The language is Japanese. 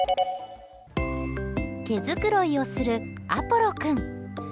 毛づくろいをするアポロ君。